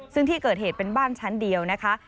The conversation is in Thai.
ซึ่งที่เกิดเหตุเป็นบ้านชั้นเดียวนะคะ